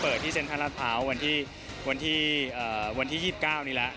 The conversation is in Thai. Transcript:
เปิดที่เซ็นทรัสพร้าววันที่๒๙นี่แหละ